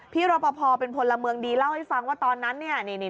รอปภเป็นพลเมืองดีเล่าให้ฟังว่าตอนนั้นเนี่ย